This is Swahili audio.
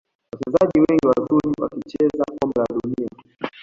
wachezaji wengi wazuri wakicheza kombe la dunia